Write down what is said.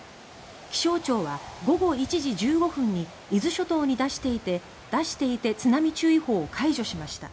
気象庁は午後１時１５分に伊豆諸島に出していた津波注意報を解除しました。